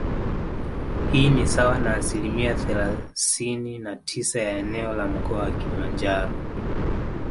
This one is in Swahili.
Hii ni sawa na asilimia thelasini na tisa ya eneo la Mkoa wa Kilimanjaro